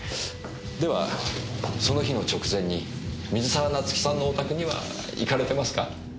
ではその日の直前に水沢夏樹さんのお宅には行かれてますか？